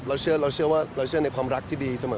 เชื่อเราเชื่อว่าเราเชื่อในความรักที่ดีเสมอ